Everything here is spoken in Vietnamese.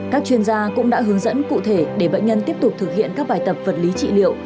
các chuyên gia cũng đã hướng dẫn cụ thể để bệnh nhân tiếp tục thực hiện các bài tập vật lý trị liệu